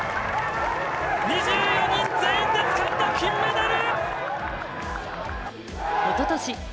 ２４人全員で掴んだ金メダル！